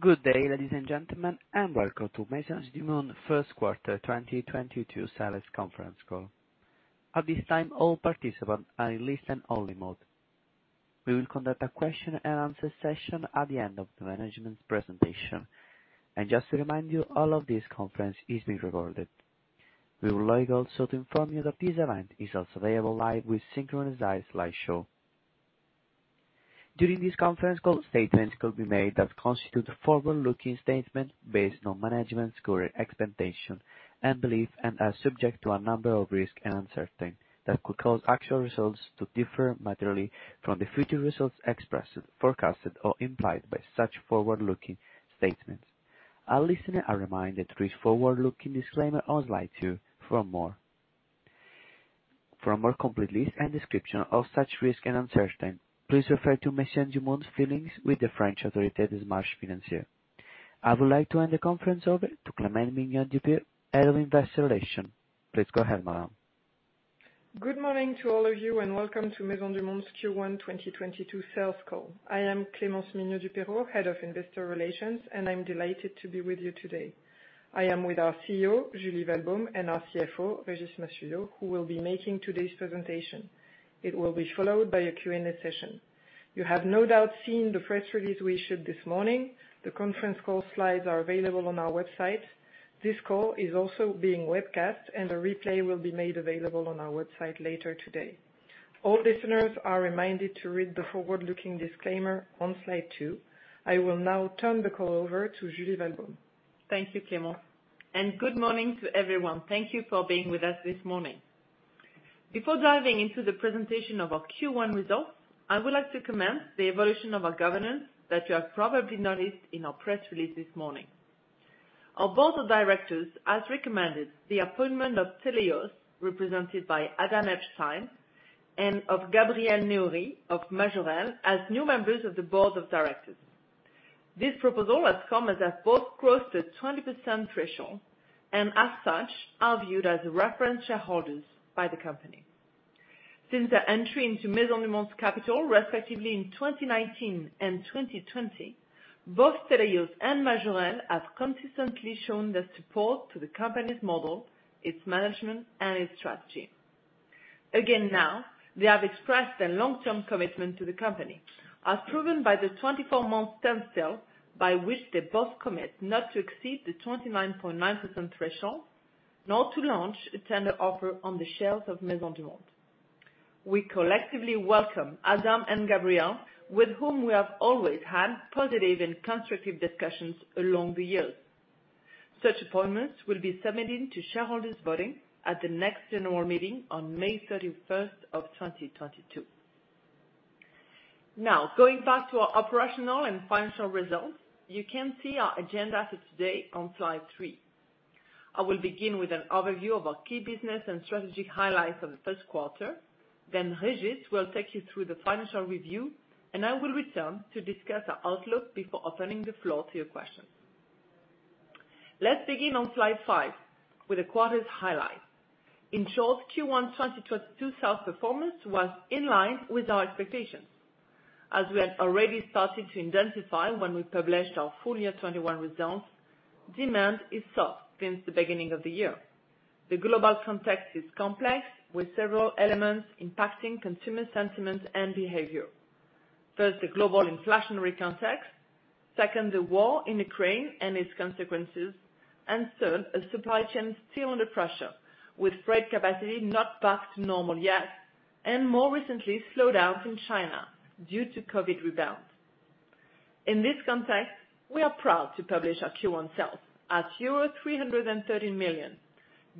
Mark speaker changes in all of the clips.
Speaker 1: Good day, ladies and gentlemen, and welcome to Maisons du Monde first quarter 2022 sales conference call. At this time, all participants are in listen-only mode. We will conduct a question and answer session at the end of the management's presentation. Just to remind you, all of this conference is being recorded. We would like also to inform you that this event is also available live with synchronized slideshow. During this conference call, statements could be made that constitute forward-looking statement based on management's current expectation and belief and are subject to a number of risks and uncertainties that could cause actual results to differ materially from the future results expressed, forecasted, or implied by such forward-looking statements. Our listeners are reminded to read forward-looking disclaimer on slide two for more. For a more complete list and description of such risks and uncertainties, please refer to Maisons du Monde filings with the French Autorité des Marchés Financiers. I would like to hand the conference over to Clémence Mignot-Dupeyrot, Head of Investor Relations. Please go ahead, madame.
Speaker 2: Good morning to all of you, and welcome to Maisons du Monde Q1 2022 sales call. I am Clémence Mignot-Dupeyrot, Head of Investor Relations, and I'm delighted to be with you today. I am with our CEO, Julie Walbaum, and our CFO, Régis Massuyeau, who will be making today's presentation. It will be followed by a Q&A session. You have no doubt seen the press release we issued this morning. The conference call slides are available on our website. This call is also being webcast, and a replay will be made available on our website later today. All listeners are reminded to read the forward-looking disclaimer on slide two. I will now turn the call over to Julie Walbaum.
Speaker 3: Thank you, Clémence, and good morning to everyone. Thank you for being with us this morning. Before diving into the presentation of our Q1 results, I would like to commend the evolution of our governance that you have probably noticed in our press release this morning. Our board of directors has recommended the appointment of Teleios, represented by Adam Epstein, and of Gabriel Naouri of Majorelle Investments as new members of the board of directors. This proposal has come as both crossed the 20% threshold, and as such, are viewed as reference shareholders by the company. Since their entry into Maisons du Monde's capital, respectively in 2019 and 2020, both Teleios and Majorelle Investments have consistently shown their support to the company's model, its management, and its strategy. Again now, they have expressed their long-term commitment to the company, as proven by the 24-month standstill by which they both commit not to exceed the 29.9% threshold, nor to launch a tender offer on the shares of Maisons du Monde. We collectively welcome Adam and Gabriel, with whom we have always had positive and constructive discussions along the years. Such appointments will be submitted to shareholders voting at the next annual meeting on May 31, 2022. Now, going back to our operational and financial results, you can see our agenda for today on slide three. I will begin with an overview of our key business and strategic highlights of the first quarter, then Régis will take you through the financial review, and I will return to discuss our outlook before opening the floor to your questions. Let's begin on slide five, with the quarter's highlight. In short, Q1 2022 sales performance was in line with our expectations. As we had already started to intensify when we published our full year 2021 results, demand is soft since the beginning of the year. The global context is complex, with several elements impacting consumer sentiment and behavior. First, the global inflationary context, second, the war in Ukraine and its consequences, and third, a supply chain still under pressure, with freight capacity not back to normal yet, and more recently, slowdown in China due to COVID rebound. In this context, we are proud to publish our Q1 sales at euro 313 million,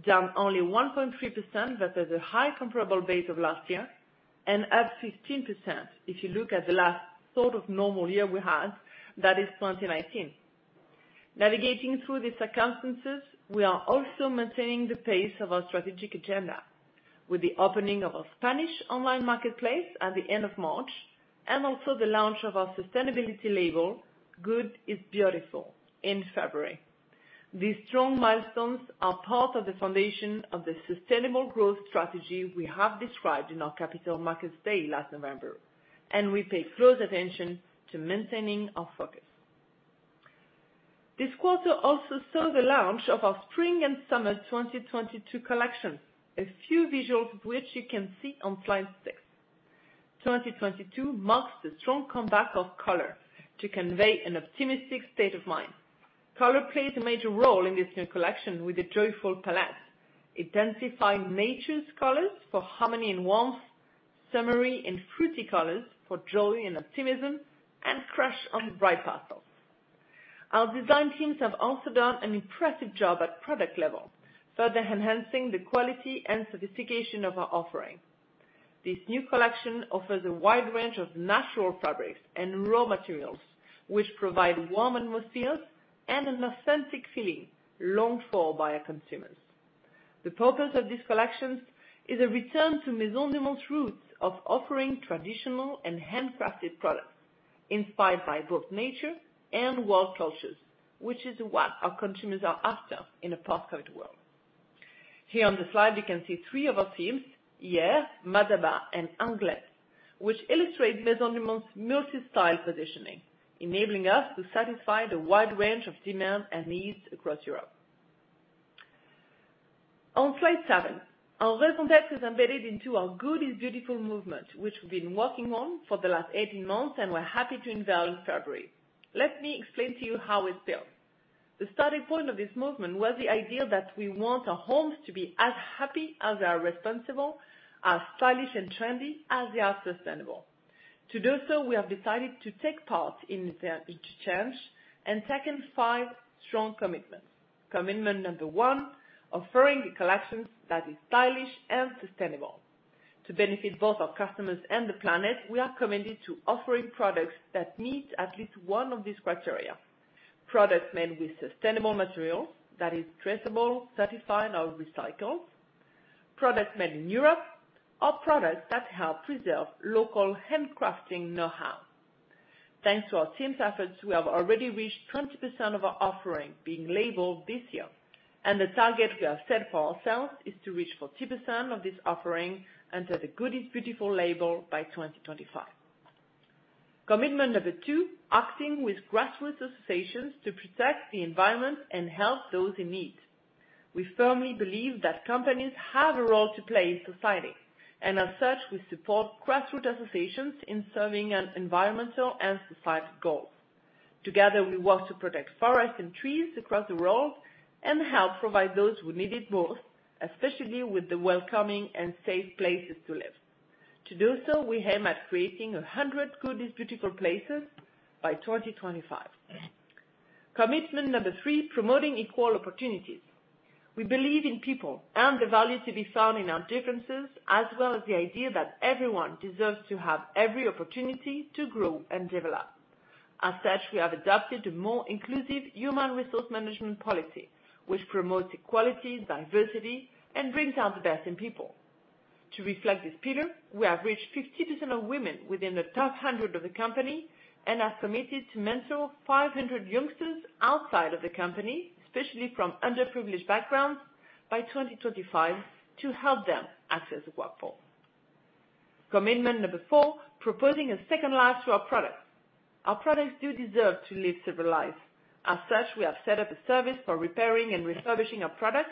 Speaker 3: down only 1.3% versus the high comparable base of last year and up 15% if you look at the last sort of normal year we had, that is 2019. Navigating through these circumstances, we are also maintaining the pace of our strategic agenda with the opening of our Spanish online marketplace at the end of March, and also the launch of our sustainability label, Good is Beautiful, in February. These strong milestones are part of the foundation of the sustainable growth strategy we have described in our Capital Markets Day last November, and we pay close attention to maintaining our focus. This quarter also saw the launch of our spring and summer 2022 collections. A few visuals of which you can see on slide six. 2022 marks the strong comeback of color to convey an optimistic state of mind. Color plays a major role in this new collection with a joyful palette, intensified nature's colors for harmony and warmth, summery and fruity colors for joy and optimism, and crush on bright pastels. Our design teams have also done an impressive job at product level, further enhancing the quality and sophistication of our offering. This new collection offers a wide range of natural fabrics and raw materials, which provide warm atmosphere and an authentic feeling longed for by our consumers. The purpose of this collection is a return to Maisons du Monde's roots of offering traditional and handcrafted products inspired by both nature and world cultures, which is what our consumers are after in a post-COVID world. Here on the slide, you can see three of our themes, Hyères, Madaba, and Anglaise, which illustrate Maisons du Monde's multi-style positioning, enabling us to satisfy the wide range of demand and needs across Europe. On slide seven, our recent focus is embedded into our Good is Beautiful movement, which we've been working on for the last 18 months, and we're happy to unveil in February. Let me explain to you how we're built. The starting point of this movement was the idea that we want our homes to be as happy as they are responsible, as stylish and trendy as they are sustainable. To do so, we have decided to take part in each change and set five strong commitments. Commitment number one, offering the collections that is stylish and sustainable. To benefit both our customers and the planet, we are committed to offering products that meet at least one of these criteria. Products made with sustainable materials that is traceable, certified, or recycled, products made in Europe, or products that help preserve local handcrafting know-how. Thanks to our team's efforts, we have already reached 20% of our offering being labeled this year, and the target we have set for ourselves is to reach 40% of this offering under the Good is Beautiful label by 2025. Commitment number two, acting with grassroots associations to protect the environment and help those in need. We firmly believe that companies have a role to play in society, and as such, we support grassroots associations in serving an environmental and society goal. Together, we work to protect forests and trees across the world and help provide those who need it most, especially with the welcoming and safe places to live. To do so, we aim at creating 100 Good is Beautiful places by 2025. Commitment number three. Promoting equal opportunities. We believe in people and the value to be found in our differences, as well as the idea that everyone deserves to have every opportunity to grow and develop. As such, we have adopted a more inclusive human resource management policy, which promotes equality, diversity, and brings out the best in people. To reflect this pillar, we have reached 50% of women within the top 100 of the company and are committed to mentor 500 youngsters outside of the company, especially from underprivileged backgrounds, by 2025 to help them access the workforce. Commitment number four. Proposing a second life to our products. Our products do deserve to live several lives. As such, we have set up a service for repairing and refurbishing our products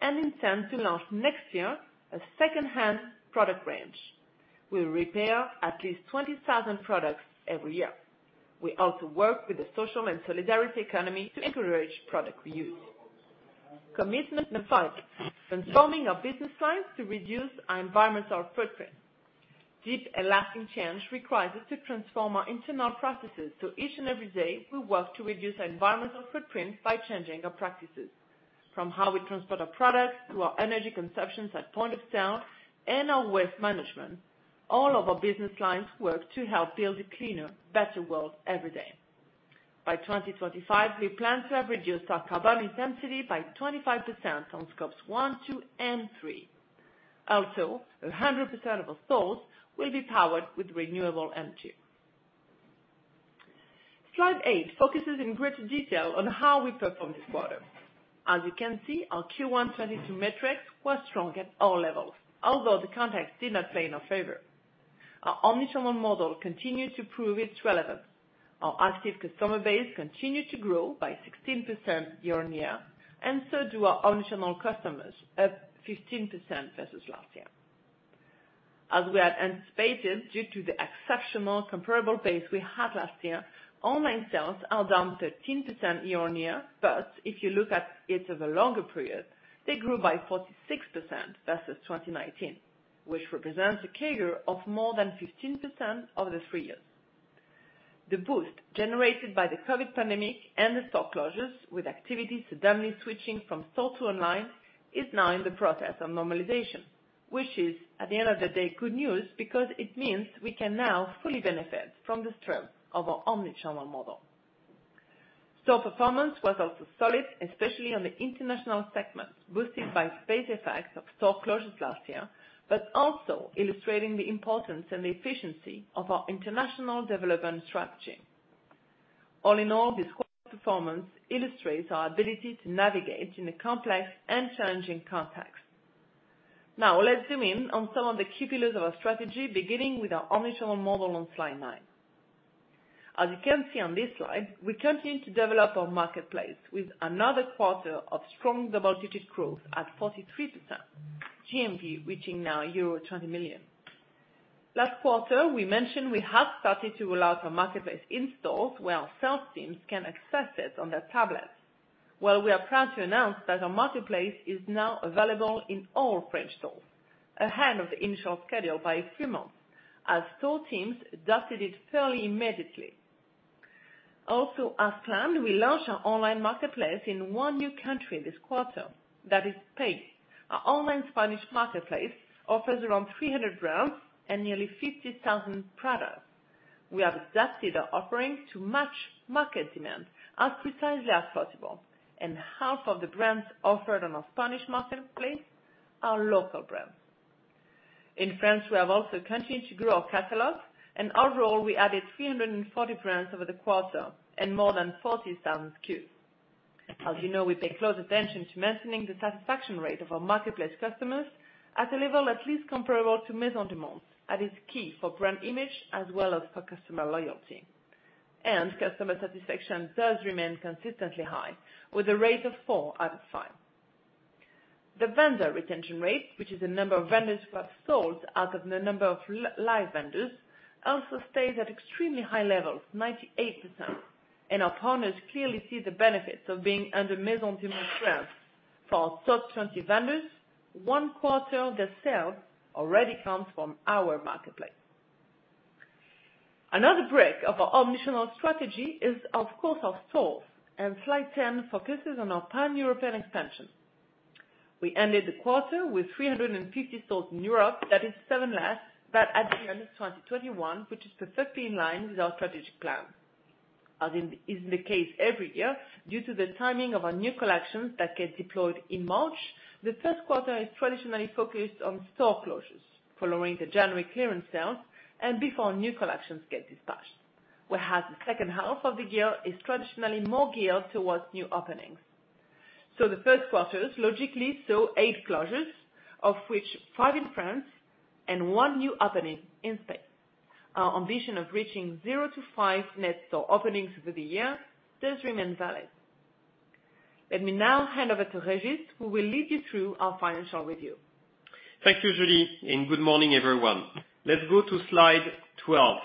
Speaker 3: and intend to launch next year a secondhand product range. We'll repair at least 20,000 products every year. We also work with the social and solidarity economy to encourage product reuse. Commitment number five. Transforming our business lines to reduce our environmental footprint. Deep and lasting change requires us to transform our internal processes, so each and every day we work to reduce our environmental footprint by changing our practices. From how we transport our products to our energy consumptions at point of sale and our waste management, all of our business lines work to help build a cleaner, better world every day. By 2025, we plan to have reduced our carbon intensity by 25% on Scope one, two, and three. Also, 100% of our stores will be powered with renewable energy. Slide eight, focuses in greater detail on how we performed this quarter. As you can see, our Q1 2022 metrics were strong at all levels. Although the context did not play in our favor. Our omni channel model continued to prove its relevance. Our active customer base continued to grow by 16% year-over-year, and so do our omni channel customers at 15% versus last year. As we had anticipated, due to the exceptional comparable base we had last year, online sales are down 13% year-on-year. If you look at it as a longer period, they grew by 46% versus 2019, which represents a CAGR of more than 15% over the three years. The boost generated by the COVID pandemic and the store closures, with activity suddenly switching from store to online, is now in the process of normalization, which is, at the end of the day, good news because it means we can now fully benefit from the strength of our omni channel model. Store performance was also solid, especially on the international segment, boosted by base effects of store closures last year, but also illustrating the importance and the efficiency of our international development strategy. All in all, this performance illustrates our ability to navigate in a complex and challenging context. Now let's zoom in on some of the key pillars of our strategy, beginning with our omni channel model on slide nine. As you can see on this slide, we continue to develop our marketplace with another quarter of strong double-digit growth at 43%, GMV reaching now euro 20 million. Last quarter, we mentioned we have started to roll out our marketplace in stores where our sales teams can access it on their tablets. Well, we are proud to announce that our marketplace is now available in all French stores, ahead of the initial schedule by a few months, as store teams adopted it fairly immediately. Also, as planned, we launched our online marketplace in one new country this quarter, that is Spain. Our online Spanish marketplace offers around 300 brands and nearly 50,000 products. We have adapted our offerings to match market demand as precisely as possible, and half of the brands offered on our Spanish marketplace are local brands. In France, we have also continued to grow our catalog and overall, we added 340 brands over the quarter and more than 40,000 SKUs. As you know, we pay close attention to maintaining the satisfaction rate of our marketplace customers at a level at least comparable to Maisons du Monde. That is key for brand image as well as for customer loyalty. Customer satisfaction does remain consistently high with a rate of four out of five. The vendor retention rate, which is the number of vendors who have sold out of the number of live vendors, also stays at extremely high levels, 98%. Our partners clearly see the benefits of being under Maisons du Monde brand. For our top 20 vendors, one quarter of their sales already comes from our marketplace. Another break of our omni-channel strategy is, of course, our stores, and slide 10 focuses on our pan-European expansion. We ended the quarter with 350 stores in Europe, that is seven less than at the end of 2021, which is perfectly in line with our strategic plan. As is the case every year, due to the timing of our new collections that get deployed in March, the first quarter is traditionally focused on store closures following the January clearance sale and before new collections get dispatched. Whereas the second half of the year is traditionally more geared towards new openings. The first quarters, logically, saw eight closures, of which five in France and one new opening in Spain. Our ambition of reaching zero-five net store openings over the year does remain valid. Let me now hand over to Régis, who will lead you through our financial review.
Speaker 4: Thank you, Julie, and good morning, everyone. Let's go to slide 12.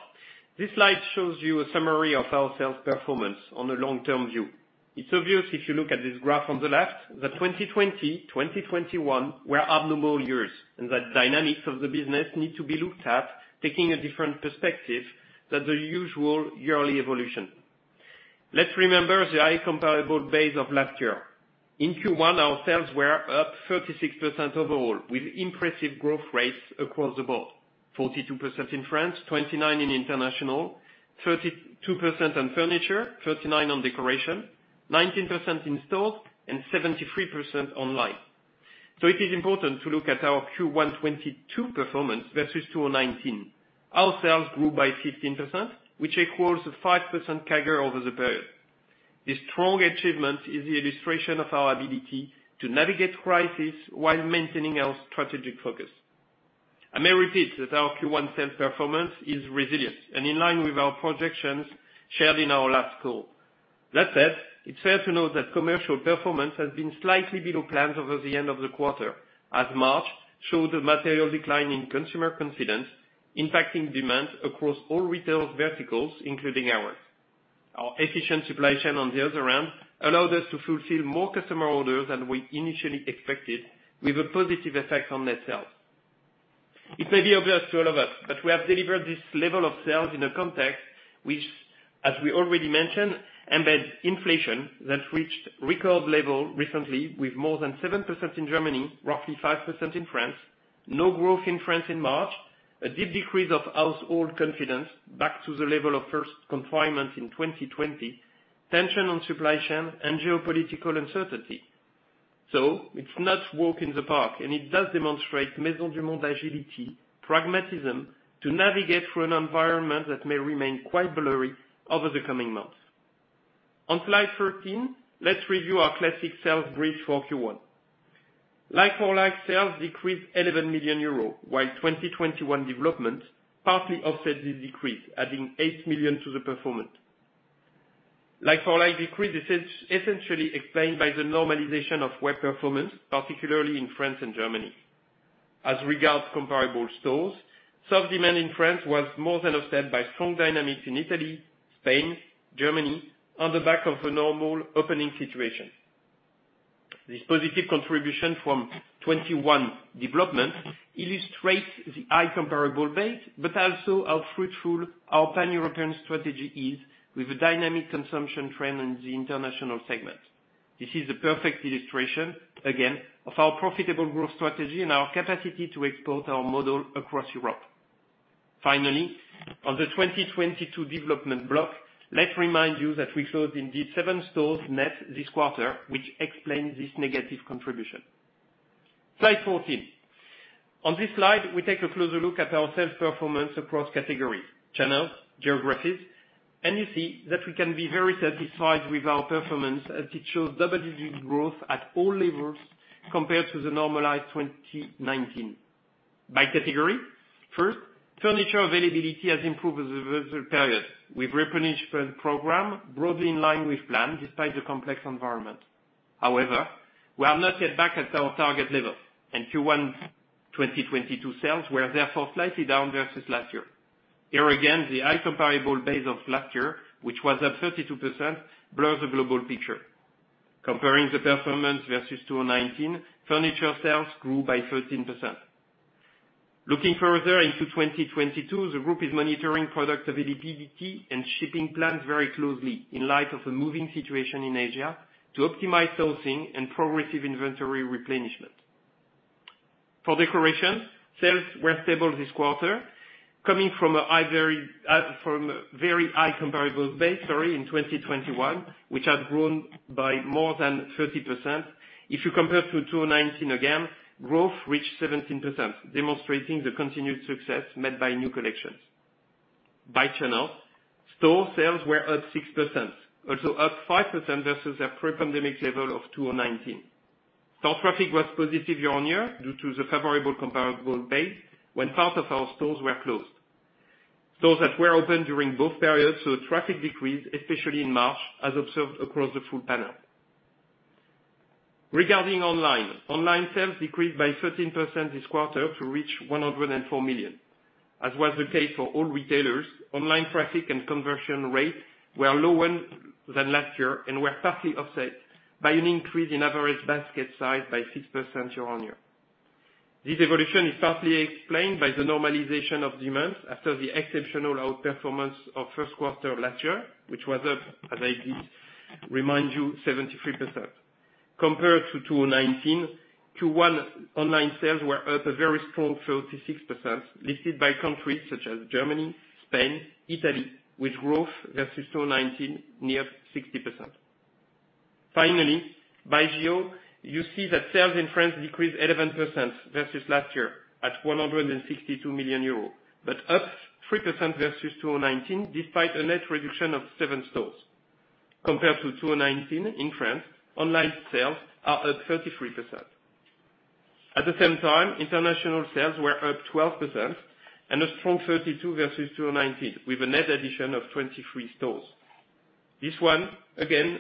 Speaker 4: This slide shows you a summary of our sales performance on a long-term view. It's obvious if you look at this graph on the left that 2020-2021 were abnormal years, and the dynamics of the business need to be looked at taking a different perspective than the usual yearly evolution. Let's remember the high comparable base of last year. In Q1, our sales were up 36% overall, with impressive growth rates across the board. 42% in France, 29% in international, 32% on furniture, 39% on decoration, 19% in stores, and 73% online. It is important to look at our Q1 2022 performance versus 2019. Our sales grew by 15%, which equals a 5% CAGR over the period. This strong achievement is the illustration of our ability to navigate crisis while maintaining our strategic focus. I may repeat that our Q1 sales performance is resilient and in line with our projections shared in our last call. That said, it's fair to note that commercial performance has been slightly below plans over the end of the quarter, as March showed a material decline in consumer confidence, impacting demand across all retail verticals, including ours. Our efficient supply chain, on the other hand, allowed us to fulfill more customer orders than we initially expected, with a positive effect on net sales. It may be obvious to all of us that we have delivered this level of sales in a context which, as we already mentioned, embeds inflation that reached record level recently with more than 7% in Germany, roughly 5% in France, no growth in France in March, a deep decrease of household confidence back to the level of first confinement in 2020, tension on supply chain and geopolitical uncertainty. It's not walk in the park, and it does demonstrate Maisons du Monde agility, pragmatism to navigate through an environment that may remain quite blurry over the coming months. On slide 13, let's review our classic sales bridge for Q1. Like-for-like sales decreased 11 million euros, while 2021 development partly offset the decrease, adding 8 million to the performance. Like-for-like decrease is essentially explained by the normalization of web performance, particularly in France and Germany. As regards comparable stores, soft demand in France was more than offset by strong dynamics in Italy, Spain, Germany, on the back of a normal opening situation. This positive contribution from 2021 development illustrates the high comparable base, but also how fruitful our pan-European strategy is with a dynamic consumption trend in the international segment. This is a perfect illustration, again, of our profitable growth strategy and our capacity to export our model across Europe. Finally, on the 2022 development block, let's remind you that we closed indeed seven stores net this quarter, which explains this negative contribution. Slide 14. On this slide, we take a closer look at our sales performance across categories, channels, geographies, and you see that we can be very satisfied with our performance as it shows double-digit growth at all levels compared to the normalized 2019. By category, first, furniture availability has improved over the period with replenishment program broadly in line with plan despite the complex environment. However, we are not yet back at our target levels. In Q1 2022, sales were therefore slightly down versus last year. Here again, the high comparable base of last year, which was at 32%, blurs the global picture. Comparing the performance versus 2019, furniture sales grew by 13%. Looking further into 2022, the group is monitoring product availability and shipping plans very closely in light of a moving situation in Asia to optimize sourcing and progressive inventory replenishment. For decorations, sales were stable this quarter. From a very high comparable base, sorry, in 2021, which had grown by more than 30%, if you compare to 2019 again, growth reached 17%, demonstrating the continued success made by new collections. By channel, store sales were up 6%, also up 5% versus a pre-pandemic level of 2019. Store traffic was positive year-on-year due to the favorable comparable base when part of our stores were closed. Stores that were open during both periods, so traffic decreased, especially in March, as observed across the full panel. Regarding online sales decreased by 13% this quarter to reach 104 million. As was the case for all retailers, online traffic and conversion rate were lower than last year and were partly offset by an increase in average basket size by 6% year-on-year. This evolution is partly explained by the normalization of demands after the exceptional outperformance of first quarter of last year, which was up, as I did remind you, 73%. Compared to 2019-2021 online sales were up a very strong 36%, led by countries such as Germany, Spain, Italy, with growth versus 2019 near 60%. Finally, by geo, you see that sales in France decreased 11% versus last year at 162 million euros, but up 3% versus 2019, despite a net reduction of seven stores. Compared to 2019 in France, online sales are up 33%. At the same time, international sales were up 12% and a strong 32% versus 2019, with a net addition of 23 stores. This one, again,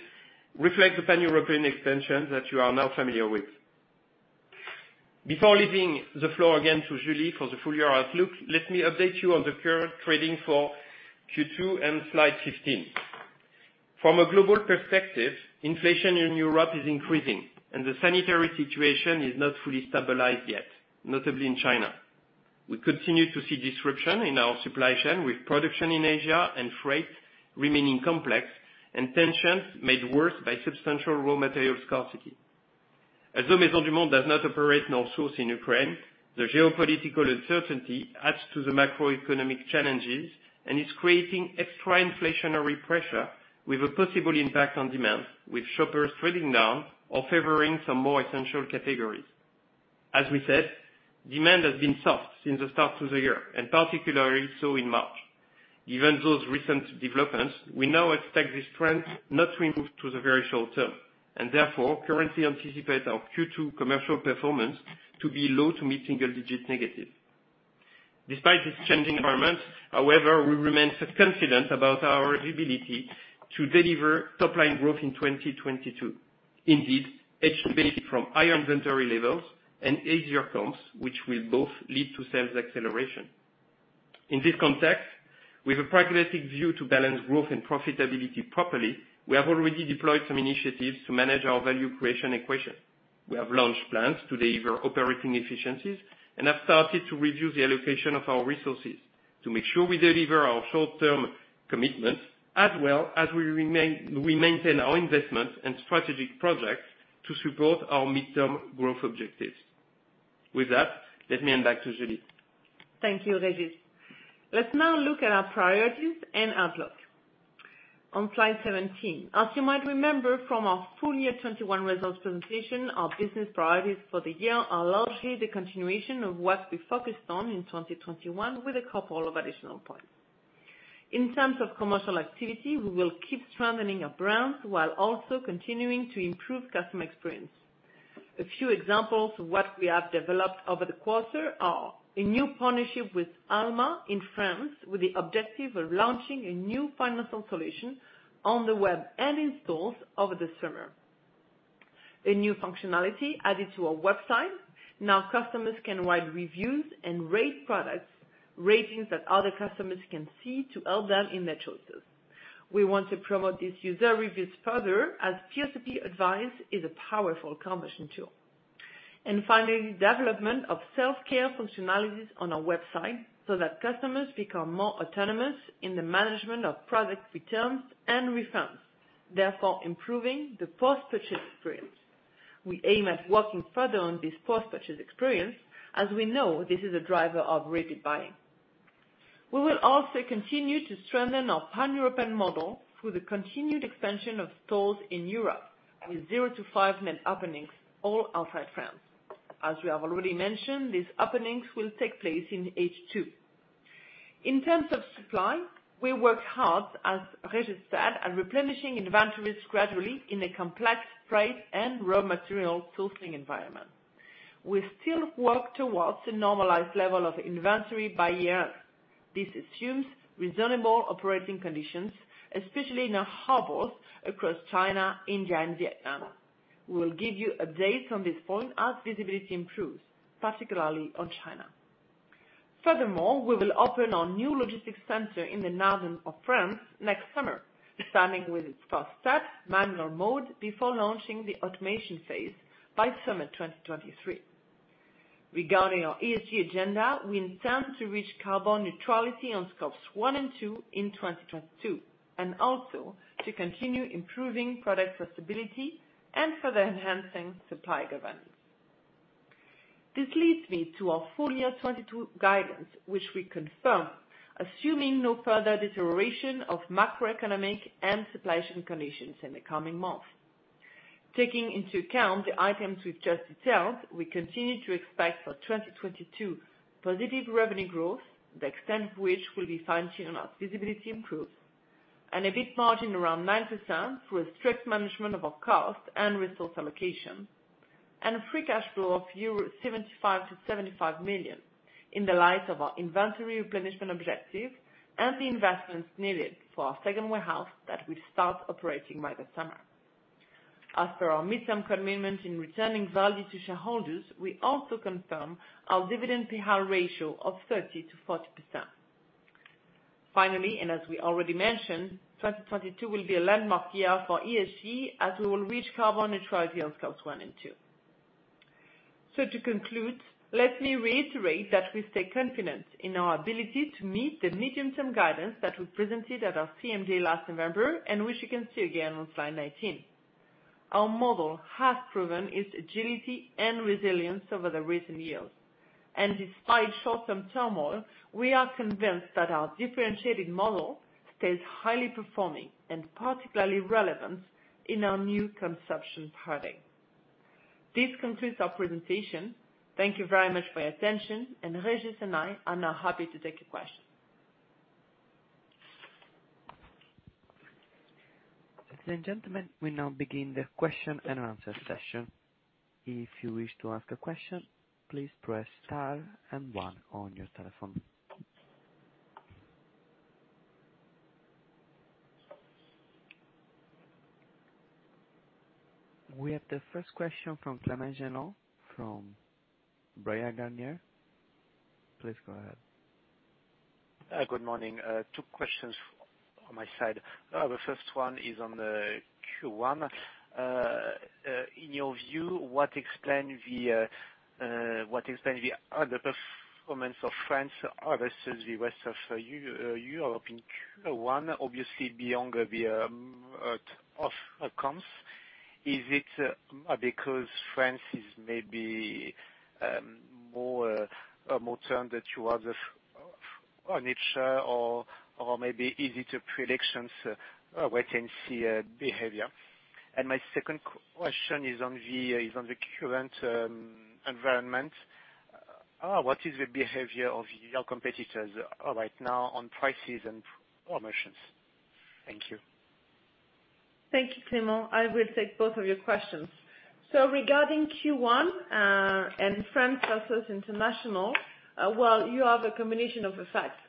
Speaker 4: reflects the pan-European extension that you are now familiar with. Before leaving the floor again to Julie for the full year outlook, let me update you on the current trading for Q2 and slide 15. From a global perspective, inflation in Europe is increasing, and the sanitary situation is not fully stabilized yet, notably in China. We continue to see disruption in our supply chain with production in Asia and freight remaining complex, and tensions made worse by substantial raw material scarcity. Although Maisons du Monde does not operate nor source in Ukraine, the geopolitical uncertainty adds to the macroeconomic challenges and is creating extra inflationary pressure with a possible impact on demand, with shoppers trading down or favoring some more essential categories. As we said, demand has been soft since the start of the year, and particularly so in March. Given those recent developments, we now expect this trend not to improve to the very short term, and therefore currently anticipate our Q2 commercial performance to be low- to mid-single-digit negative. Despite this changing environment, however, we remain self-confident about our ability to deliver top-line growth in 2022. Indeed, H2 benefit from higher inventory levels and easier comps, which will both lead to sales acceleration. In this context, with a pragmatic view to balance growth and profitability properly, we have already deployed some initiatives to manage our value creation equation. We have launched plans to deliver operating efficiencies and have started to review the allocation of our resources to make sure we deliver our short-term commitments, as well as maintain our investments and strategic projects to support our midterm growth objectives. With that, let me hand back to Julie.
Speaker 3: Thank you, Régis. Let's now look at our priorities and outlook. On slide 17. As you might remember from our full year 2021 results presentation, our business priorities for the year are largely the continuation of what we focused on in 2021 with a couple of additional points. In terms of commercial activity, we will keep strengthening our brands while also continuing to improve customer experience. A few examples of what we have developed over the quarter are a new partnership with Alma in France with the objective of launching a new financial solution on the web and in stores over this summer. A new functionality added to our website. Now customers can write reviews and rate products, ratings that other customers can see to help them in their choices. We want to promote these user reviews further as P2P advice is a powerful conversion tool. Finally, development of self-care functionalities on our website so that customers become more autonomous in the management of product returns and refunds, therefore improving the post-purchase experience. We aim at working further on this post-purchase experience as we know this is a driver of repeat buying. We will also continue to strengthen our pan-European model through the continued expansion of stores in Europe with zero-five net openings all outside France. As we have already mentioned, these openings will take place in H2. In terms of supply, we work hard, as Régis said, at replenishing inventories gradually in a complex price and raw material sourcing environment. We still work towards a normalized level of inventory by year. This assumes reasonable operating conditions, especially in our hubs across China, India, and Vietnam. We will give you updates on this point as visibility improves, particularly on China. Furthermore, we will open our new logistics center in the north of France next summer, starting with its first step, manual mode, before launching the automation phase by summer 2023. Regarding our ESG agenda, we intend to reach carbon neutrality on Scope one and two in 2022, and also to continue improving product traceability and further enhancing supply governance. This leads me to our full year 2022 guidance, which we confirm, assuming no further deterioration of macroeconomic and supply chain conditions in the coming months. Taking into account the items we've just detailed, we continue to expect for 2022 positive revenue growth, the extent of which will be fine-tuned on our visibility improves and EBIT margin around 9% through a strict management of our cost and resource allocation, and free cash flow of 75 million in the light of our inventory replenishment objective and the investments needed for our second warehouse that will start operating by the summer. As per our midterm commitment in returning value to shareholders, we also confirm our dividend payout ratio of 30%-40%. Finally, as we already mentioned, 2022 will be a landmark year for ESG as we will reach carbon neutrality on Scope one and two. To conclude, let me reiterate that we stay confident in our ability to meet the medium-term guidance that we presented at our CMD last November, and which you can see again on slide 19. Our model has proven its agility and resilience over the recent years. Despite short-term turmoil, we are convinced that our differentiated model stays highly performing and particularly relevant in our new consumption pattern. This concludes our presentation. Thank you very much for your attention, and Régis and I are now happy to take your questions.
Speaker 1: Ladies and gentlemen, we now begin the question and answer session. If you wish to ask a question, please press star and one on your telephone. We have the first question from Clément Jenot from Berenberg. Please go ahead.
Speaker 5: Good morning. Two questions on my side. The first one is on the Q1. In your view, what explains the underperformance of France versus the rest of Europe in Q1, obviously beyond the outcomes? Is it because France is maybe more tuned to other niche or maybe easier to predict, we can see behavior? My second question is on the current environment. What is the behavior of your competitors right now on prices and promotions? Thank you.
Speaker 3: Thank you, Clement. I will take both of your questions. Regarding Q1, and France versus international, well, you have a combination of effects.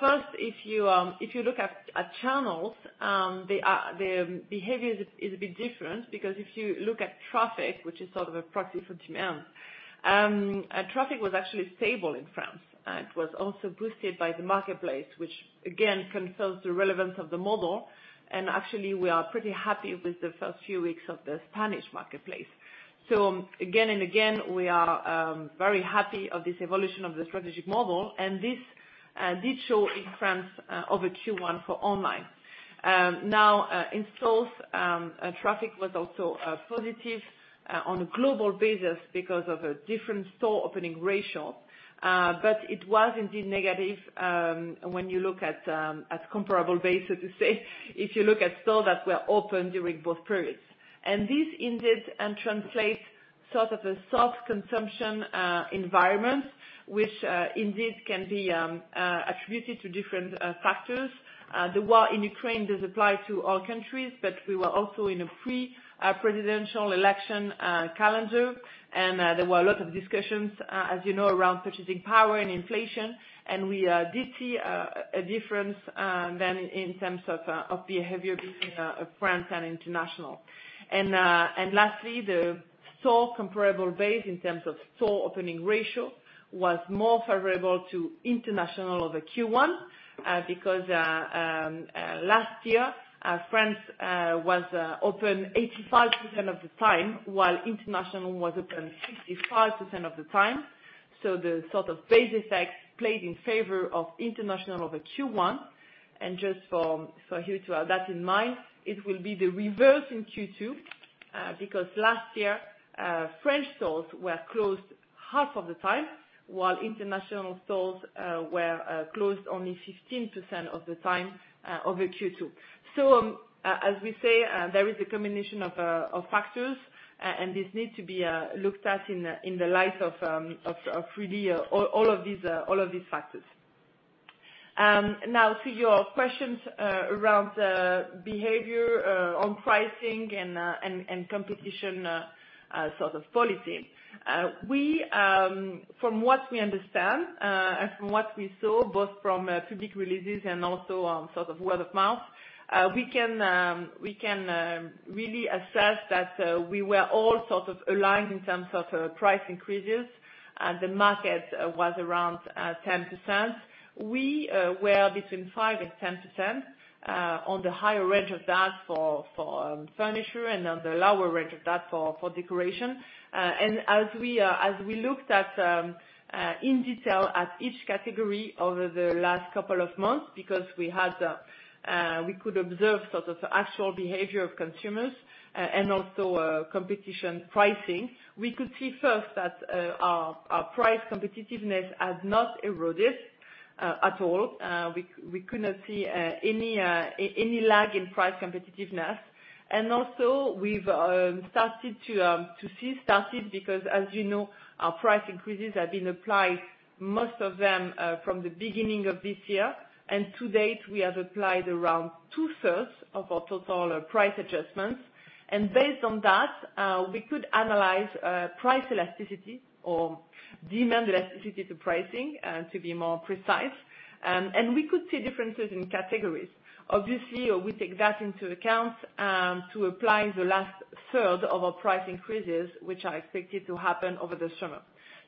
Speaker 3: First, if you look at channels, their behavior is a bit different because if you look at traffic, which is sort of a proxy for demand, traffic was actually stable in France, and it was also boosted by the marketplace, which again confirms the relevance of the model. Actually, we are pretty happy with the first few weeks of the Spanish marketplace. Again and again, we are very happy of this evolution of the strategic model, and this did show in France, over Q1 for online. Now, in stores, traffic was also positive on a global basis because of a different store opening ratio. It was indeed negative when you look at comparable basis so to say, if you look at stores that were open during both periods. This indeed translates sort of a soft consumption environment, which indeed can be attributed to different factors. The war in Ukraine does apply to all countries, but we were also in a pre-presidential election calendar. There were a lot of discussions as you know around purchasing power and inflation. We did see a difference then in terms of behavior between France and international. Lastly, the store comparable base in terms of store opening ratio was more favorable to international over Q1 because last year France was open 85% of the time while international was open 55% of the time. The sort of base effect played in favor of international over Q1. Just for you to have that in mind, it will be the reverse in Q2 because last year French stores were closed half of the time while international stores were closed only 15% of the time over Q2. As we say, there is a combination of factors, and this need to be looked at in the light of really all of these factors. Now to your questions around behavior on pricing and competition sort of policy. From what we understand from what we saw both from public releases and also sort of word of mouth, we can really assess that we were all sort of aligned in terms of price increases and the market was around 10%. We were between 5% and 10% on the higher range of that for furniture and on the lower range of that for decoration. As we looked at in detail at each category over the last couple of months, because we could observe sort of the actual behavior of consumers and also competition pricing. We could see first that our price competitiveness has not eroded at all. We could not see any lag in price competitiveness. Also we've started to see because as you know, our price increases have been applied most of them from the beginning of this year. To date we have applied around two-thirds of our total price adjustments. Based on that, we could analyze price elasticity or demand elasticity to pricing to be more precise. We could see differences in categories. Obviously, we take that into account to apply the last third of our price increases, which are expected to happen over the summer.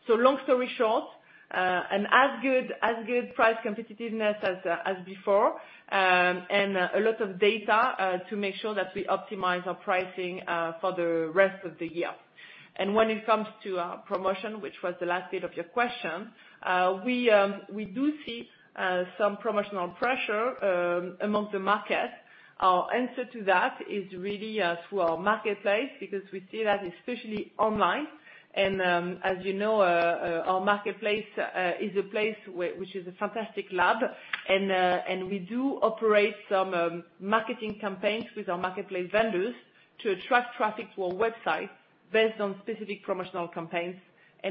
Speaker 3: Long story short, as good price competitiveness as before. A lot of data to make sure that we optimize our pricing for the rest of the year. When it comes to promotion, which was the last bit of your question, we do see some promotional pressure among the market. Our answer to that is really through our marketplace, because we see that especially online. As you know, our marketplace is a place which is a fantastic lab and we do operate some marketing campaigns with our marketplace vendors to attract traffic to our website based on specific promotional campaigns.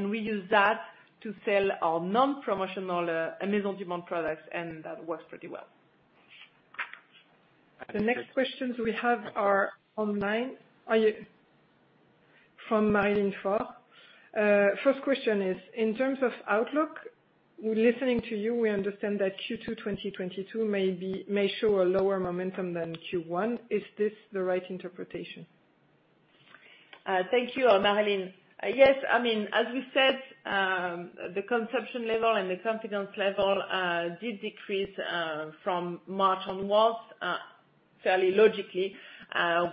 Speaker 3: We use that to sell our non-promotional on-demand products and that works pretty well.
Speaker 2: The next questions we have are online. From Marilyn Farr. First question is, in terms of outlook, listening to you, we understand that Q2 2022 may be, may show a lower momentum than Q1. Is this the right interpretation?
Speaker 3: Thank you, Marilyn. Yes. I mean, as we said, the consumption level and the confidence level did decrease from March onwards, fairly logically,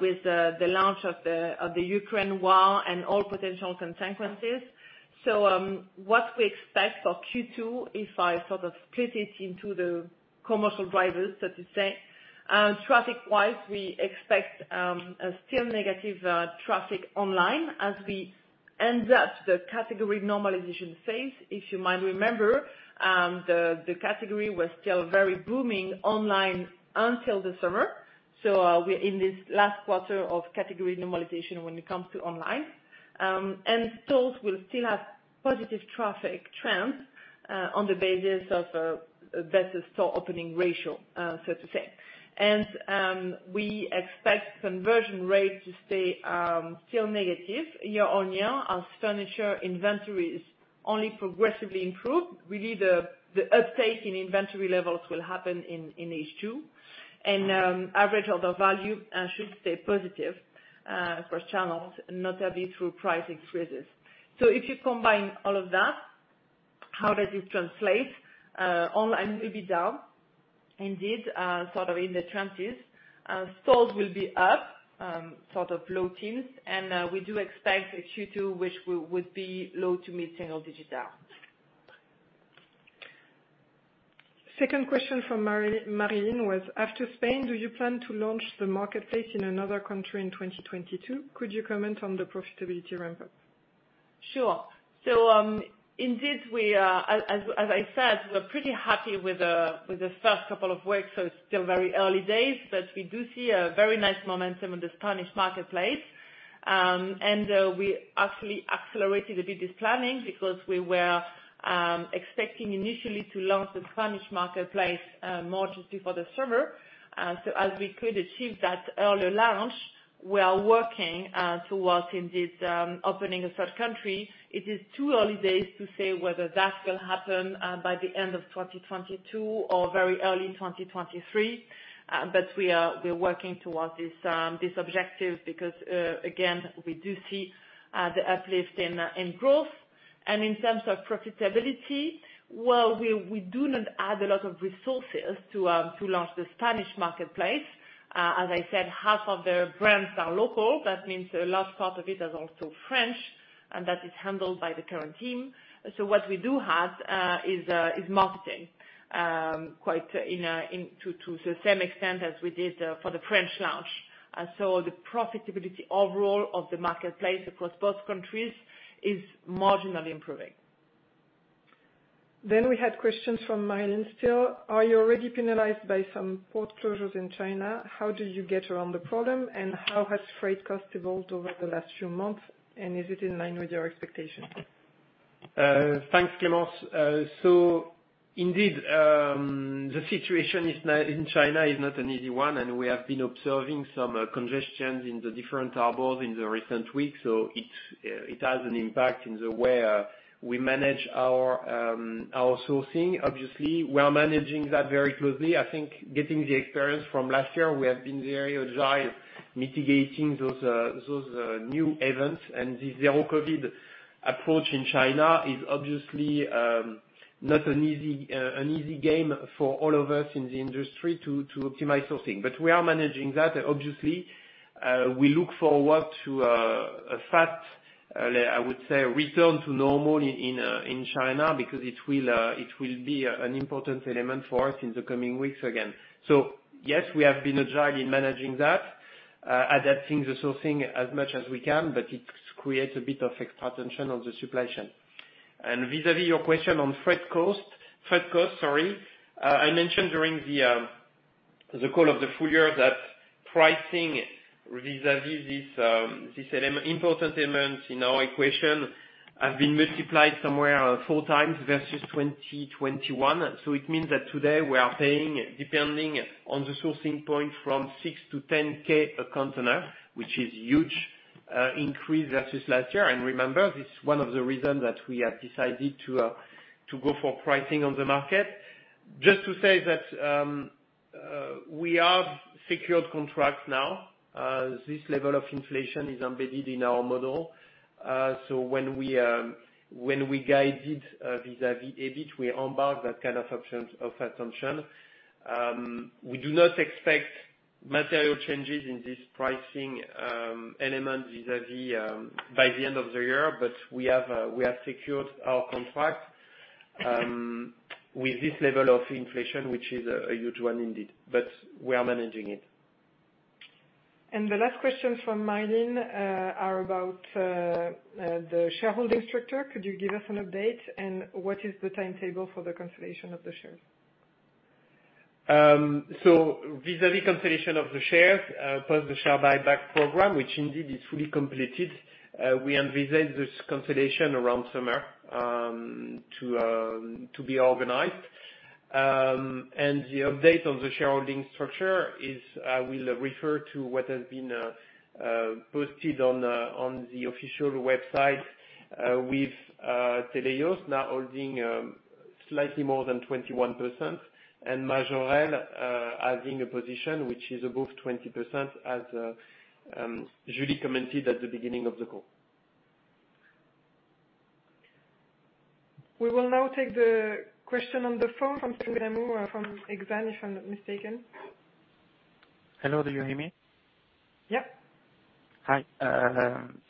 Speaker 3: with the launch of the Ukraine war and all potential consequences. What we expect for Q2, if I sort of split it into the commercial drivers, so to say, traffic-wise, we expect a still negative traffic online as we end the category normalization phase. If you might remember, the category was still very booming online until the summer. We're in this last quarter of category normalization when it comes to online. Stores will still have positive traffic trends on the basis of a better store opening ratio, so to say. We expect conversion rate to stay still negative year-over-year as furniture inventories only progressively improve. Really, the uptake in inventory levels will happen in H2. Average order value should stay positive for channels, notably through price increases. If you combine all of that, how does it translate? Online will be down indeed, sort of in the trenches. Stores will be up, sort of low teens. We do expect a Q2, which would be low to mid single digit down.
Speaker 2: Second question from Marilyn Farr was, after Spain, do you plan to launch the marketplace in another country in 2022? Could you comment on the profitability ramp up?
Speaker 3: Sure. Indeed we are. As I said, we're pretty happy with the first couple of weeks, so it's still very early days. We do see a very nice momentum in the Spanish marketplace. We actually accelerated a bit this planning because we were expecting initially to launch the Spanish marketplace more just before the summer. As we could achieve that earlier launch, we are working towards indeed opening a third country. It is too early days to say whether that will happen by the end of 2022 or very early in 2023. We're working towards this objective because again we do see the uplift in growth. In terms of profitability, we do not add a lot of resources to launch the Spanish marketplace. As I said, half of their brands are local. That means a large part of it is also French, and that is handled by the current team. What we do have is marketing quite to the same extent as we did for the French launch. The profitability overall of the marketplace across both countries is marginally improving.
Speaker 2: We had questions from Marilyn Farr still. Are you already penalized by some port closures in China? How do you get around the problem? And how has freight cost evolved over the last few months, and is it in line with your expectations?
Speaker 4: Thanks, Clémence. Indeed, the situation in China is not an easy one, and we have been observing some congestions in the different harbors in the recent weeks. It has an impact in the way we manage our sourcing. Obviously, we are managing that very closely. I think getting the experience from last year, we have been very agile mitigating those new events. The zero COVID approach in China is obviously not an easy game for all of us in the industry to optimize sourcing. We are managing that. Obviously, we look forward to a fast, I would say return to normal in China because it will be an important element for us in the coming weeks again. Yes, we have been agile in managing that, adapting the sourcing as much as we can, but it creates a bit of extra tension on the supply chain. Vis-a-vis your question on freight cost, sorry. I mentioned during the call of the full year that pricing vis-a-vis this element, important element in our equation, have been multiplied somewhere four times versus 2021. It means that today we are paying, depending on the sourcing point, $6,000-$10,000 a container, which is huge increase versus last year. Remember, this is one of the reasons that we have decided to go for pricing on the market. Just to say that we have secured contracts now. This level of inflation is embedded in our model. When we guided vis-a-vis EBIT, we onboard that kind of options of assumption. We do not expect material changes in this pricing element vis-a-vis by the end of the year, but we have secured our contract with this level of inflation, which is a huge one indeed. We are managing it.
Speaker 3: The last question from Marilyn Farr is about the shareholding structure. Could you give us an update? What is the timetable for the consolidation of the shares?
Speaker 4: Vis-à-vis consolidation of the shares, plus the share buyback program, which indeed is fully completed, we envisage this consolidation around summer to be organized. The update on the shareholding structure is, we'll refer to what has been posted on the official website, with Teleios now holding slightly more than 21% and Majorelle having a position which is above 20% as Julie commented at the beginning of the call.
Speaker 3: We will now take the question on the phone from Stéphane Amour from Exane, if I'm not mistaken.
Speaker 6: Hello, do you hear me?
Speaker 3: Yeah.
Speaker 6: Hi.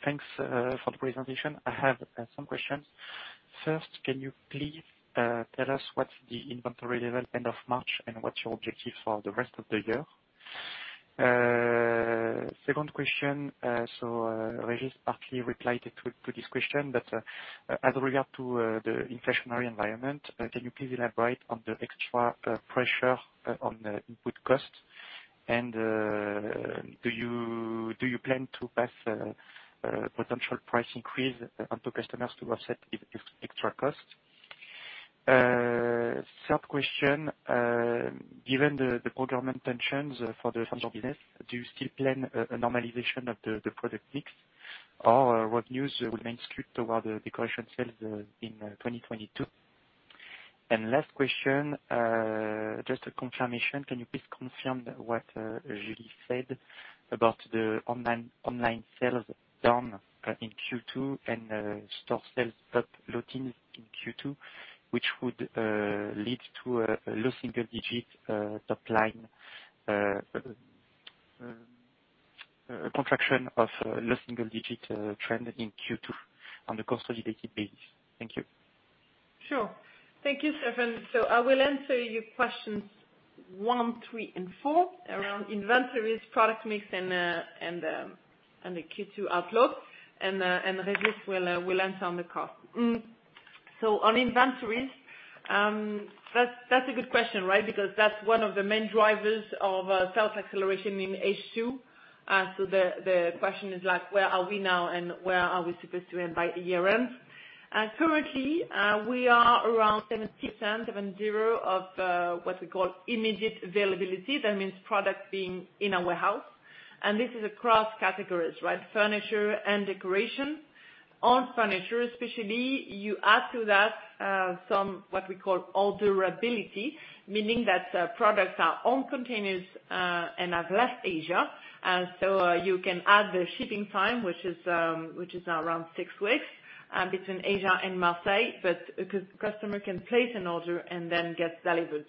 Speaker 6: Thanks for the presentation. I have some questions. First, can you please tell us what's the inventory level end of March and what's your objective for the rest of the year? Second question, Régis partly replied to this question, but as regards to the inflationary environment, can you please elaborate on the extra pressure on the input cost? Do you plan to pass potential price increase onto customers to offset the extra cost? Third question, given the program intentions for the future business, do you still plan a normalization of the product mix or revenues will then skew toward the decoration sales in 2022? Last question, just a confirmation. Can you please confirm what Julie said about the online sales down in Q2 and store sales top loading in Q2, which would lead to a low single digit top line, a contraction of low single digit trend in Q2 on the consolidated basis? Thank you.
Speaker 3: Sure. Thank you, Stéphane. I will answer your questions one, three, and four around inventories, product mix, and the Q2 outlook. Régis will answer on the cost. On inventories, that's a good question, right? Because that's one of the main drivers of sales acceleration in H2. The question is like, where are we now and where are we supposed to end by year-end. Currently, we are around 70% of what we call immediate availability. That means product being in our warehouse. This is across categories, right? Furniture and decoration. On furniture especially, you add to that some what we call orderability, meaning that products are on containers and have left Asia. You can add the shipping time, which is now around 6 weeks, between Asia and Marseille, but a customer can place an order and then get delivered.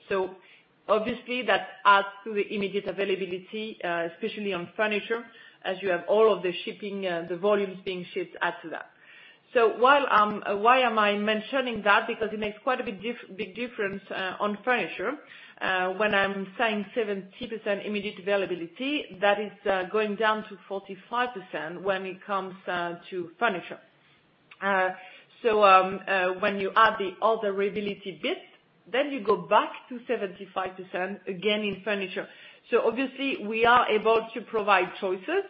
Speaker 3: Obviously that adds to the immediate availability, especially on furniture, as you have all of the shipping, the volumes being shipped add to that. While, why am I mentioning that? Because it makes quite a big difference on furniture. When I'm saying 70% immediate availability, that is going down to 45% when it comes to furniture. When you add the orderability bit, then you go back to 75% again in furniture. Obviously we are able to provide choices.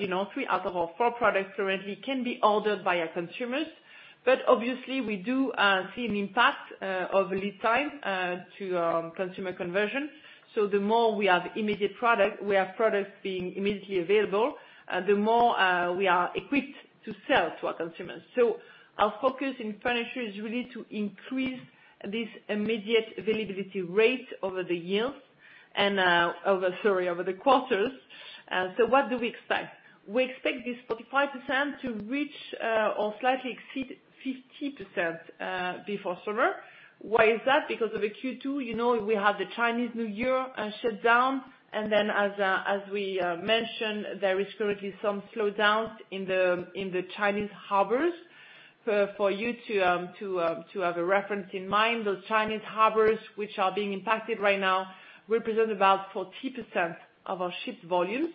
Speaker 3: You know, three out of our four products currently can be ordered by our consumers. Obviously we do see an impact of lead time to consumer conversion. The more we have immediate product, we have products being immediately available, the more we are equipped to sell to our consumers. Our focus in furniture is really to increase this immediate availability rate over the quarters. What do we expect? We expect this 45% to reach or slightly exceed 50% before summer. Why is that? Because of the Q2, you know, we have the Chinese New Year shutdown, and then as we mentioned, there is currently some slowdowns in the Chinese harbors. For you to have a reference in mind, those Chinese harbors which are being impacted right now represent about 40% of our shipped volumes.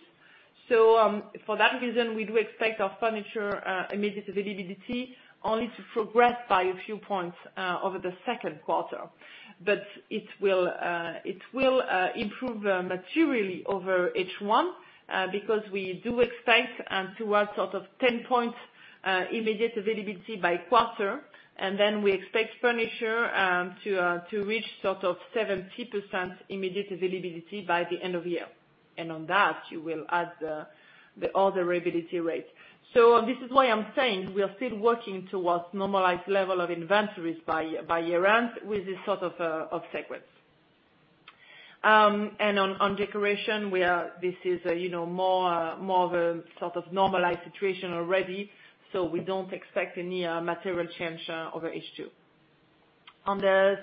Speaker 3: For that reason, we do expect our furniture immediate availability only to progress by a few points over the second quarter. It will improve materially over H1, because we do expect towards sort of 10 points immediate availability by quarter. Then we expect furniture to reach sort of 70% immediate availability by the end of year. On that you will add the other availability rate. This is why I'm saying we are still working towards normalized level of inventories by year-end with this sort of sequence. On decoration, this is, you know, more of a sort of normalized situation already, so we don't expect any material change over H2. On the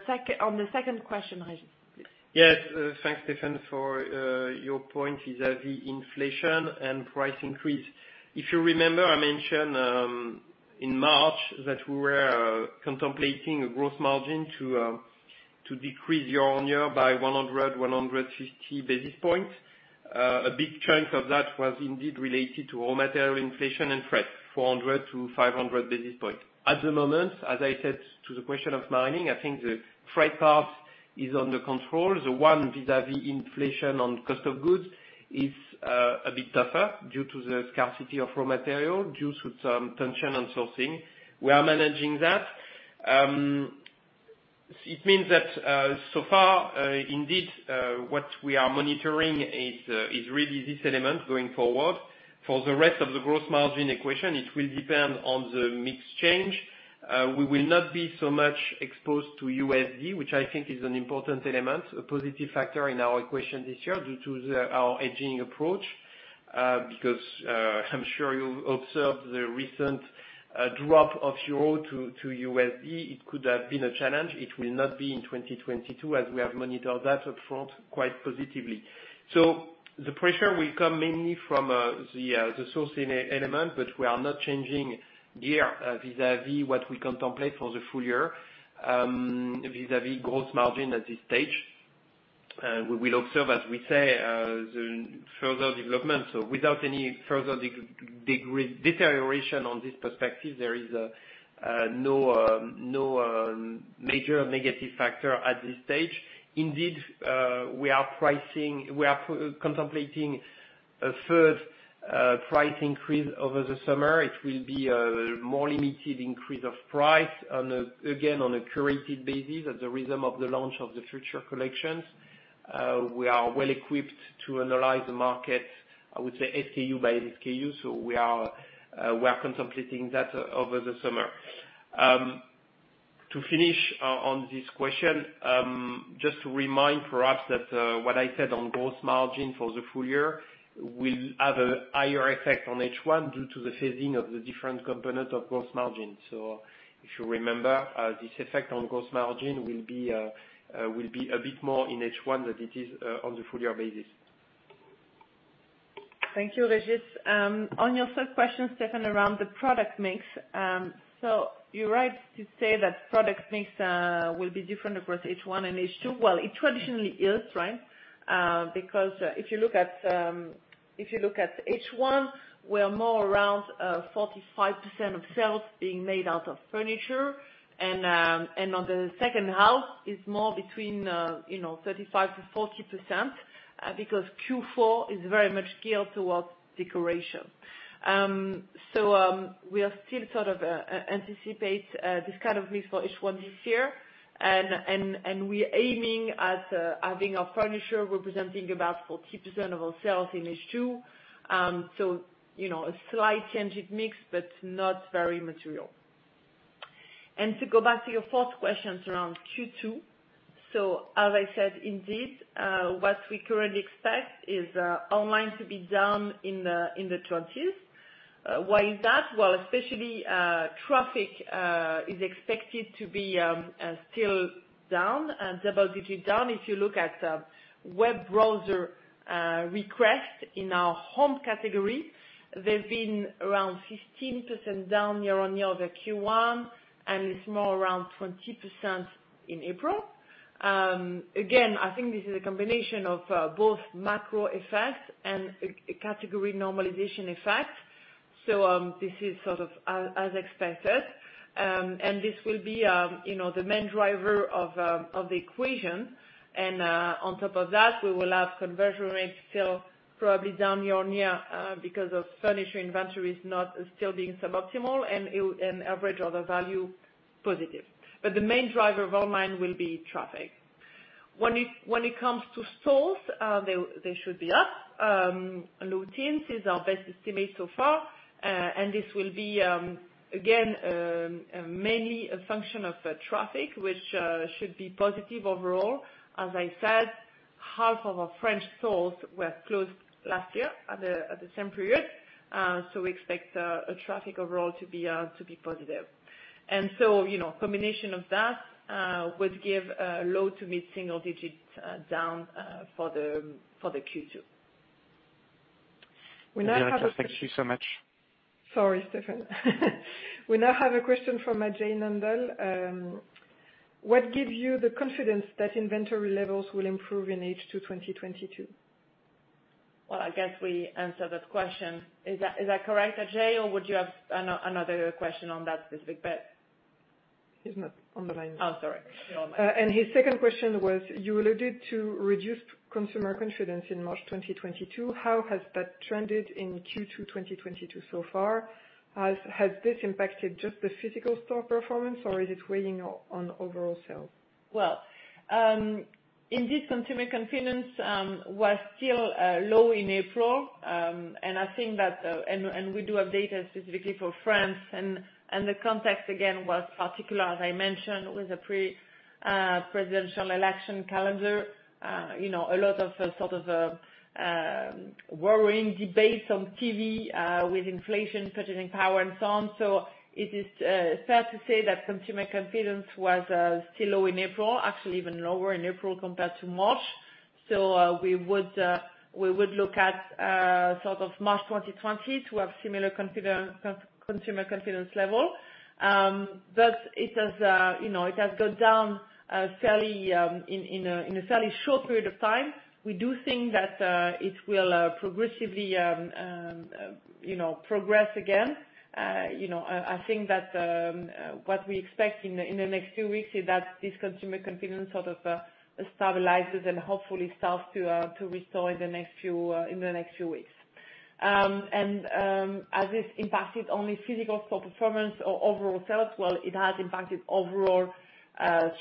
Speaker 3: second question, Régis, please.
Speaker 4: Yes. Thanks, Stéphane, for your point vis-à-vis inflation and price increase. If you remember, I mentioned in March that we were contemplating a gross margin to decrease year-on-year by 150 basis points. A big chunk of that was indeed related to raw material inflation and freight, 400-500 basis points. At the moment, as I said to the question of Marilyn, I think the freight part is under control. The one vis-à-vis inflation on cost of goods is a bit tougher due to the scarcity of raw material, due to some tension on sourcing. We are managing that. It means that so far, indeed, what we are monitoring is really this element going forward. For the rest of the gross margin equation, it will depend on the mix change. We will not be so much exposed to USD, which I think is an important element, a positive factor in our equation this year due to our hedging approach. I'm sure you observed the recent drop of euro to USD. It could have been a challenge. It will not be in 2022, as we have monitored that upfront quite positively. The pressure will come mainly from the sourcing element, but we are not changing gear vis-a-vis what we contemplate for the full year vis-a-vis gross margin at this stage. We will observe, as we say, the further development. Without any further deterioration on this perspective, there is no major negative factor at this stage. Indeed, we are pricing. We are contemplating a third price increase over the summer. It will be a more limited increase of price on a, again, on a curated basis at the rhythm of the launch of the future collections. We are well equipped to analyze the market, I would say SKU by SKU. We are contemplating that over the summer. To finish on this question, just to remind perhaps that what I said on gross margin for the full year will have a higher effect on H1 due to the phasing of the different components of gross margin. If you remember, this effect on gross margin will be a bit more in H1 than it is on the full year basis.
Speaker 3: Thank you, Régis. On your third question, Stéphane, around the product mix. You're right to say that product mix will be different across H1 and H2. Well, it traditionally is, right? Because if you look at H1, we are more around 45% of sales being made out of furniture. And on the second half is more between, you know, 35%-40%, because Q4 is very much geared towards decoration. We are still sort of anticipate this kind of mix for H1 this year. And we're aiming at having our furniture representing about 40% of our sales in H2. You know, a slight change in mix, but not very material. To go back to your fourth questions around Q2. As I said, indeed, what we currently expect is online to be down in the 20s. Why is that? Well, especially, traffic is expected to be still down and double-digit down. If you look at web browser requests in our home category, they've been around 15% down year-on-year over Q1, and it's more around 20% in April. Again, I think this is a combination of both macro effects and a category normalization effect. This is sort of as expected. This will be, you know, the main driver of the equation. On top of that, we will have conversion rates still probably down year-on-year, because furniture inventory is not still being suboptimal and average order value positive. The main driver of online will be traffic. When it comes to stores, they should be up. Low teens is our best estimate so far. This will be, again, mainly a function of traffic, which should be positive overall. As I said, half of our French stores were closed last year at the same period. We expect traffic overall to be positive. You know, combination of that would give a low to mid single digit down for the Q2.
Speaker 2: We now have a-
Speaker 6: Thank you so much.
Speaker 7: Sorry, Stéphane. We now have a question from Jay Maynadel. What gives you the confidence that inventory levels will improve in H2 2022?
Speaker 3: Well, I guess we answered that question. Is that correct, Jay, or would you have another question on that specific bet?
Speaker 2: He's not on the line.
Speaker 3: Oh, sorry.
Speaker 2: His second question was, you alluded to reduced consumer confidence in March 2022. How has that trended in Q2 2022 so far? Has this impacted just the physical store performance or is it weighing on overall sales?
Speaker 3: Well, indeed consumer confidence was still low in April. I think that we do have data specifically for France and the context again was particular, as I mentioned, with the pre-presidential election calendar. You know, a lot of sort of worrying debates on TV with inflation, purchasing power and so on. It is fair to say that consumer confidence was still low in April, actually even lower in April compared to March. We would look at sort of March 2020 to have similar consumer confidence level. It has, you know, it has gone down fairly in a fairly short period of time. We do think that it will progressively you know progress again. You know I think that what we expect in the next few weeks is that this consumer confidence sort of stabilizes and hopefully starts to restore in the next few weeks. Has this impacted only physical store performance or overall sales? Well it has impacted overall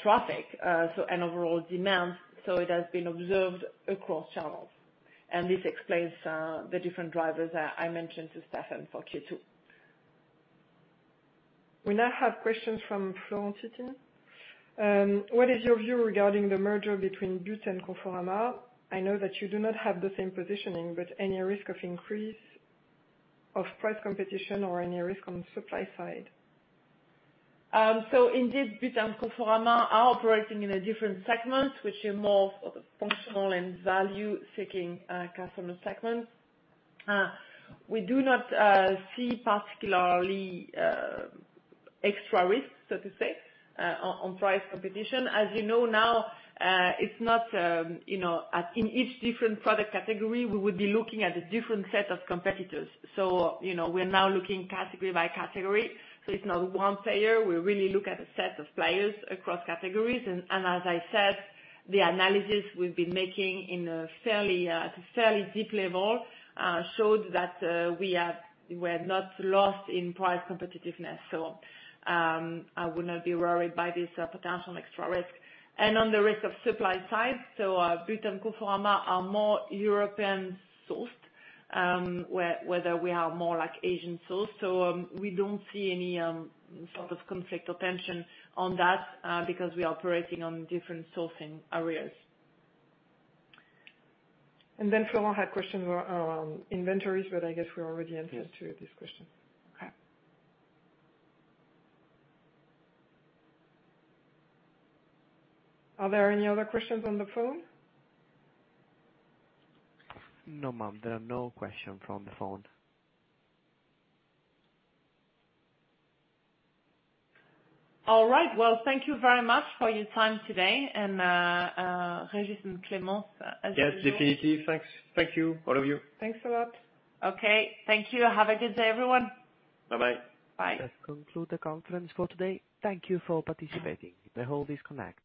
Speaker 3: traffic so overall demand so it has been observed across channels. This explains the different drivers I mentioned to Stéphane for Q2.
Speaker 2: We now have questions from Florent Thytin. What is your view regarding the merger between But and Conforama? I know that you do not have the same positioning, but any risk of increase of price competition or any risk on the supply side?
Speaker 3: Indeed, But and Conforama are operating in a different segment, which is more sort of functional and value-seeking customer segment. We do not see particularly extra risk, so to say, on price competition. As you know now, it's not, you know, in each different product category, we would be looking at a different set of competitors. You know, we're now looking category by category, so it's not one player. We really look at a set of players across categories. As I said, the analysis we've been making at a fairly deep level showed that we're not lost in price competitiveness. I would not be worried by this potential extra risk. On the risk of supply side, But and Conforama are more European sourced, whether we are more like Asian sourced. We don't see any sort of conflict or tension on that, because we are operating on different sourcing areas.
Speaker 2: Florent had questions around inventories, but I guess we already answered to this question.
Speaker 3: Okay. Are there any other questions on the phone?
Speaker 1: No, ma'am, there are no questions from the phone.
Speaker 3: All right. Well, thank you very much for your time today. Régis Massuyeau and Clémence Mignot-Dupeyrot, as usual.
Speaker 4: Yes, definitely. Thanks. Thank you, all of you.
Speaker 2: Thanks a lot.
Speaker 3: Okay. Thank you. Have a good day, everyone.
Speaker 4: Bye-bye.
Speaker 3: Bye.
Speaker 1: This concludes the conference for today. Thank you for participating. You may all disconnect.